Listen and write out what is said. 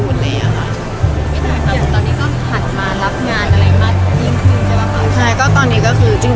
แต่ตอนนี้ก็หันมารับงานอะไรมาจริงคือใช่ป่ะค่ะ